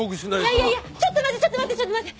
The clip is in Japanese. いやいやいやちょっと待ってちょっと待ってちょっと待って。